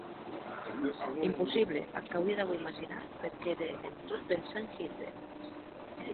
Impossible, ac auie d'auer imaginat perque ère en tot pensar en Hilde.